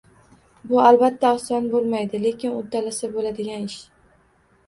Bu albatta oson boʻlmaydi, lekin uddalasa boʻladigan ish.